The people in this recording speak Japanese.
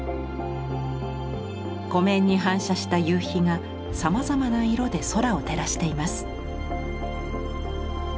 湖面に反射した夕日がさまざまな色で空を照らしています。